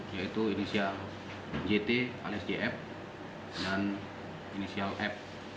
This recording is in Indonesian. yaitu inisial jt alias jf dan inisial f